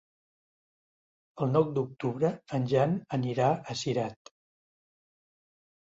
El nou d'octubre en Jan anirà a Cirat.